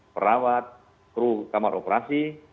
perawat kru kamar operasi